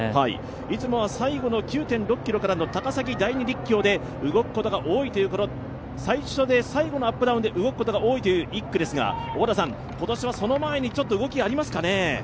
いつもは最後の９．６ｋｍからの高橋陸橋から動くことが多いという最初で最後のアップダウンで動くことの多い１区ですが今年はその前に動きがありますかね？